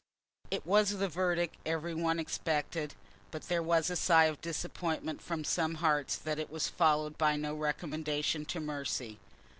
It was the verdict every one expected, but there was a sigh of disappointment from some hearts that it was followed by no recommendation to mercy.